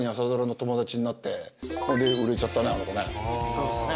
そうですね